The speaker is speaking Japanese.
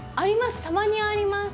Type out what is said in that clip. たまにあります。